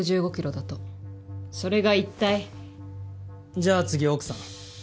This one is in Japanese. じゃあ次奥さん。